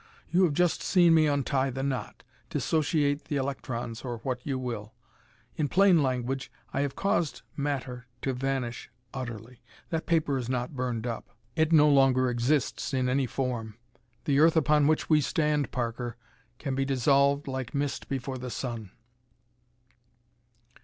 You have just seen me untie the knot, dissociate the electrons, or what you will. In plain language I have caused matter to vanish utterly. That paper is not burned up. It no longer exists in any form. The earth upon which we stand, Parker, can be dissolved like mist before the sun!"